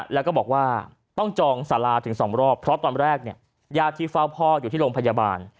แล้วก็บอกว่าต้องจองสาราถึง๒รอบเพราะตอนแรกเนี่ยญาติที่เฝ้าพ่ออยู่ที่โรงพยาบาล